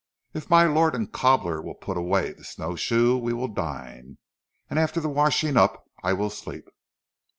If my lord and cobbler will put away the snow shoe we will dine, and after the washing up I will sleep."